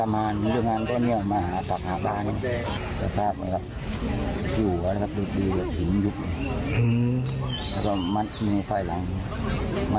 มัดมือมัดเท้าใช่ไงใช่เขาใช้อะไรมัดที่พี่ดูมัดวันครับ